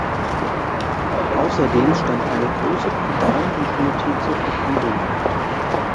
Außerdem stand eine große Programmbibliothek zur Verfügung.